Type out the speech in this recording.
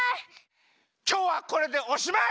きょうはこれでおしまい！